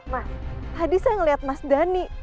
mas tadi saya ngeliat mas dhani